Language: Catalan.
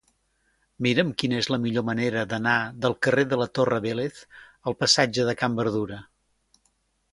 Mira'm quina és la millor manera d'anar del carrer de la Torre Vélez al passatge de Can Berdura.